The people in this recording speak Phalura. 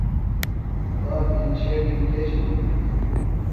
بابی چھیڈیۡ کے شِرو بِھلیۡ؟